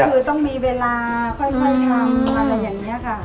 คือต้องมีเวลาค่อยทำอะไรอย่างนี้ค่ะ